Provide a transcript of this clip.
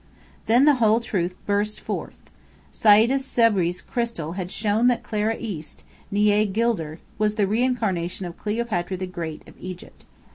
Then the whole truth burst forth. Sayda Sabri's crystal had shown that Clara East, née Gilder, was the reincarnation of Cleopatra the Great of Egypt.